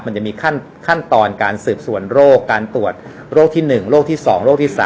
มันจะมีขั้นตอนการสืบสวนโรคการตรวจโรคที่๑โรคที่๒โรคที่๓